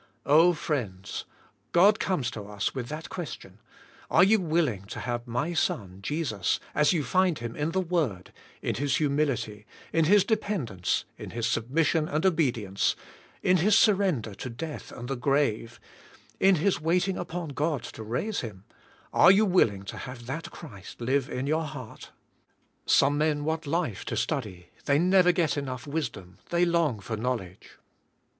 Oh ! friends, God comes to us with that question. Are you willing to have my Son, Jesus, as you find Him in the word, in His humility, in His dependence, in His submis Christ IvIVKTh in mj^. 155 sion and obedience, in His surrender to death and the grave, in His waiting upon God to raise Him, are you willing to have that Christ live in your heart? Some men want life to study. They never get enough wisdom. They long for knowledge.